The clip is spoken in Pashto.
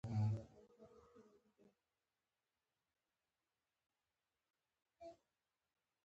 کاناډا د ژمي جامې جوړوي.